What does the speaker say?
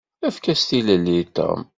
Efk-as tilelli i Tom!